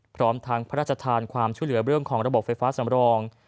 พร้อมทั้งพระราชทานความช่วยเหลือเรื่องของระบบไฟฟ้าสำรอง